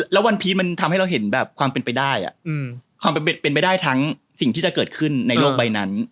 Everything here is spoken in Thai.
แล้ววันพีชมันทำให้เราเห็นแบบความเป็นไปได้ความเป็นไปได้ทั้งสิ่งที่จะเกิดขึ้นในโลกใบนั้น